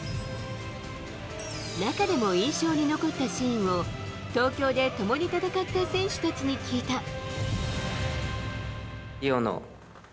中でも印象に残ったシーンを東京で共に戦った選手たちに聞いた。